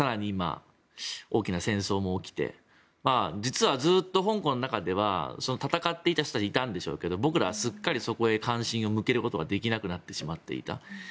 今、大きな戦争も起きて実はずっと香港の中では戦っていた人はいたんでしょうけど僕らはすっかりそこへ関心を向けることができなくなってしまっていた。